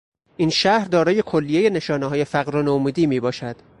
این شهر دارای کلیهی نشانههای فقر و نومیدی میباشد.